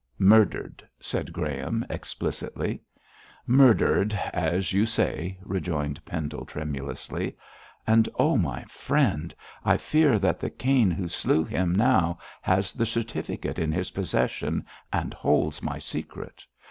'Murdered,' said Graham, explicitly. 'Murdered, as you say,' rejoined Pendle, tremulously; 'and oh, my friend, I fear that the Cain who slew him now has the certificate in his possession, and holds my secret.